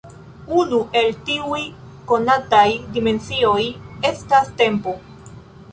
Unu el tiuj konataj dimensioj estas tempo.